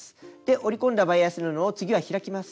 折り込んだバイアス布を次は開きます。